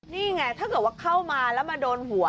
นี่ไงถ้าเกิดว่าเข้ามาแล้วมาโดนหัว